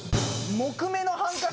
木目のハンカチ？